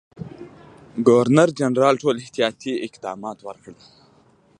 ګورنرجنرال ټول احتیاطي اقدامات وکړل.